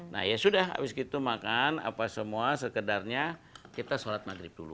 nah ya sudah habis gitu makan apa semua sekedarnya kita sholat maghrib dulu